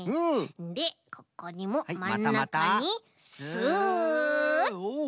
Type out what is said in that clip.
でここにもまんなかにスッと。